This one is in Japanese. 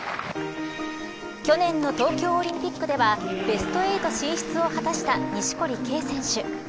去年の東京オリンピックではベスト８進出を果たした錦織圭選手。